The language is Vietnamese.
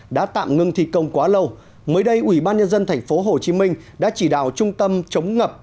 đã tạm ngưng thi công quá lâu mới đây ủy ban nhân dân tp hcm đã chỉ đạo trung tâm chống ngập